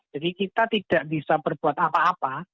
jadi kita tidak bisa berbuat apa apa